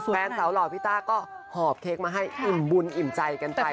แฟนสาวหล่อพี่ต้าก็หอบเค้กมาให้อิ่มบุญอิ่มใจกันไป